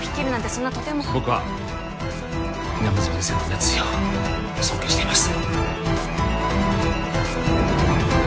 そんなとても僕は山住先生の熱意を尊敬しています